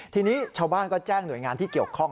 ทีนี้ชาวบ้านก็แจ้งหน่วยงานที่เกี่ยวข้อง